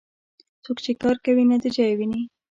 څوک چې کار کوي، نتیجه یې ويني.